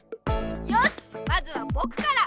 よしまずはぼくから！